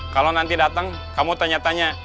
kalo nanti dateng kamu tanya tanya